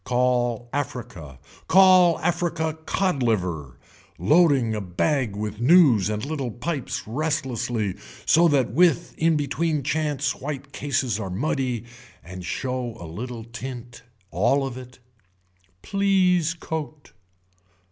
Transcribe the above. Call africa, call african cod liver, loading a bag with news and little pipes restlessly so that with in between chance white cases are muddy and show a little tint, all of it. Please coat.